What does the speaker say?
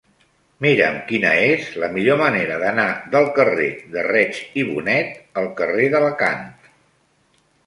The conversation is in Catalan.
Mira'm quina és la millor manera d'anar del carrer de Reig i Bonet al carrer d'Alacant.